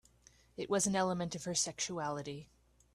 It was an element of her sexuality.